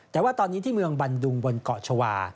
แต่ว่าตอนนี้ที่เมืองบันดุงบนเกาะชาวา